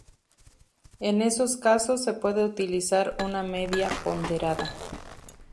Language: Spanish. En esos casos se puede utilizar una media ponderada.